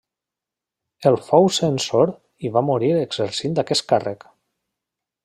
El fou censor i va morir exercint aquest càrrec.